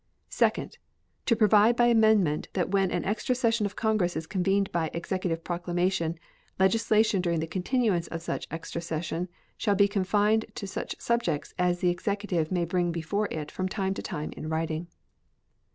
Second. To provide by amendment that when an extra session of Congress is convened by Executive proclamation legislation during the continuance of such extra session shall be confined to such subjects as the Executive may bring before it from time to time in writing.